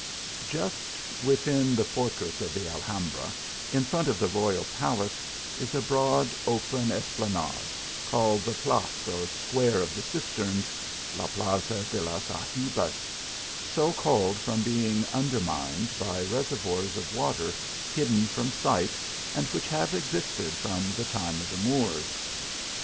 JUST within the fortress of the Alhambra, in front of the royal palace, is a broad open esplanade, called , the place or square of the cisterns, (la plaza de los algibes) so called from being undermined by reser voirs of water, hidden from sight, and which have, existed from the time of me Moors.